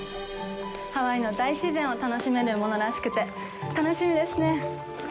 ハワイの大自然を楽しめるものらしくて、楽しみですね。